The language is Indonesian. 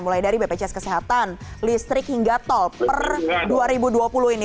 mulai dari bpjs kesehatan listrik hingga tol per dua ribu dua puluh ini